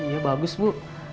iya bagus bu